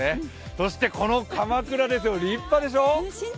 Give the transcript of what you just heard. そしてこのかまくらですよ、立派でしょう。